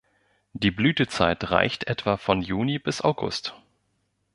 Die Blütezeit reicht etwa von Juni bis August.